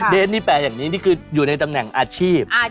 นี่แปลอย่างนี้นี่คืออยู่ในตำแหน่งอาชีพ